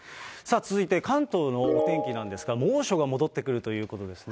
続いて関東のお天気なんですが、猛暑が戻ってくるということです